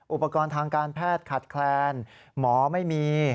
อุปกรณ์ทางการแพทย์ขาดแคลนหมอไม่มี